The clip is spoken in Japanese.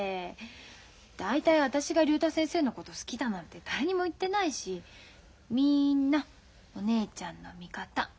大体私が竜太先生のこと好きだなんて誰にも言ってないしみんなお姉ちゃんの味方。